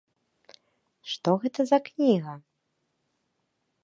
Што гэта за кніга?